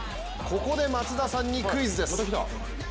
ここで松田さんにクイズです。